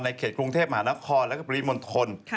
เขตกรุงเทพมหานครแล้วก็ปริมณฑล